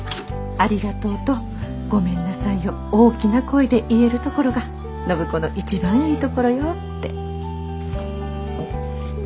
「ありがとう」と「ごめんなさい」を大きな声で言えるところが暢子の一番いいところよって。